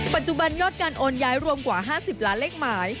ปัจจุบันยอดการโอนย้ายรวมกว่า๕๐ล้านเลขหมาย